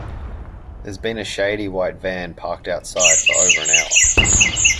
There's been a shady white van parked outside for over an hour.